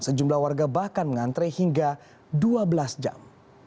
sejumlah warga bahkan mengantre hingga dua belas jam